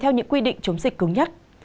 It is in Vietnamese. theo những quy định chống dịch cứng nhất